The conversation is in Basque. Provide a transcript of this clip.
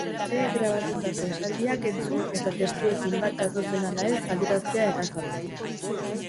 Besteek grabatutako esaldiak entzun eta testuekin bat datozen ala ez adieraztea erraza da.